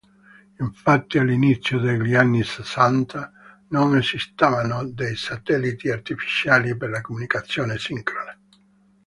Infatti all'inizio degli anni sessanta non esistevano dei satelliti artificiali per la comunicazione sincrona.